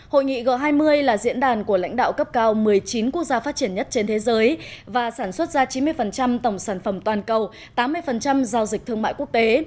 hội nghị g hai mươi là diễn đàn của lãnh đạo cấp cao một mươi chín quốc gia phát triển nhất trên thế giới và sản xuất ra chín mươi tổng sản phẩm toàn cầu